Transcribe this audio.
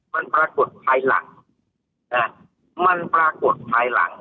มันปรากฏภายหลังมันปรากฏภายหลัง